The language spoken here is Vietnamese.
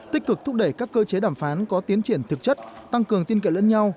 tích cực thúc đẩy các cơ chế đàm phán có tiến triển thực chất tăng cường tin cậy lẫn nhau